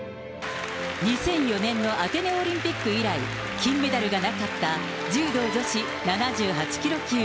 ２００４年のアテネオリンピック以来、金メダルがなかった柔道女子７８キロ級。